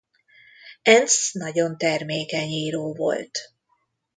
Entz nagyon termékeny író volt.